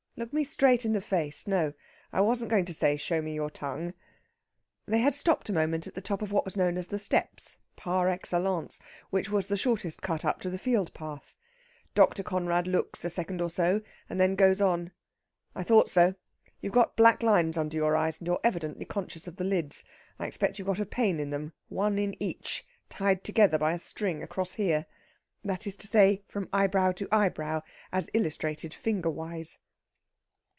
Look at me straight in the face. No, I wasn't going to say show me your tongue." They had stopped a moment at the top of what was known as The Steps par excellence which was the shortest cut up to the field path. Dr. Conrad looks a second or so, and then goes on: "I thought so. You've got black lines under your eyes, and you're evidently conscious of the lids. I expect you've got a pain in them, one in each, tied together by a string across here." That is to say, from eyebrow to eyebrow, as illustrated fingerwise.